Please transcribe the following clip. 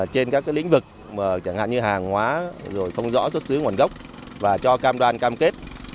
trên các lĩnh vực chẳng hạn như hàng hóa rồi không rõ xuất xứ nguồn gốc và cho cam đoan cam kết